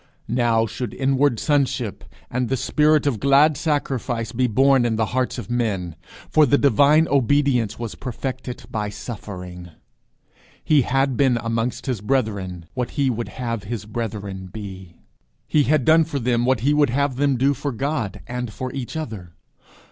Now should inward sonship and the spirit of glad sacrifice be born in the hearts of men; for the divine obedience was perfected by suffering. He had been amongst his brethren what he would have his brethren be. He had done for them what he would have them do for God and for each other.